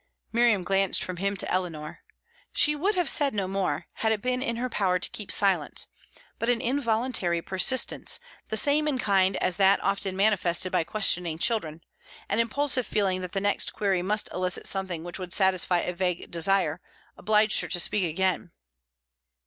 Miriam glanced from him to Eleanor. She would have said no more, had it been in her power to keep silence; but an involuntary persistence, the same in kind as that often manifested by questioning children an impulsive feeling that the next query must elicit something which would satisfy a vague desire, obliged her to speak again.